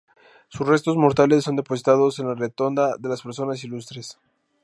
Sus restos mortales son depositados en la Rotonda de las Personas Ilustres.